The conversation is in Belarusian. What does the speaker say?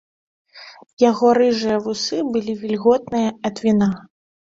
Яго рыжыя вусы былі вільготныя ад віна.